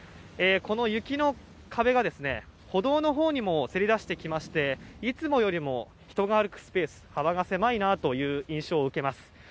この雪の壁が、歩道のほうにもせり出してきまして、いつもよりも人が歩くスペース、幅が狭いなという印象を受けます。